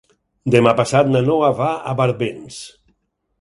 Demà passat na Noa va a Barbens.